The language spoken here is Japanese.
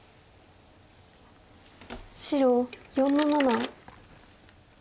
白４の七。